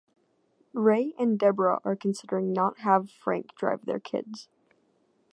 Ray and Debra are considering not have Frank drive their kids.